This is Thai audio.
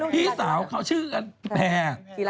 พี่สาวเขาชื่อกันแปล